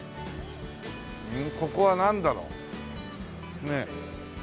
ここはなんだろう？ねえ。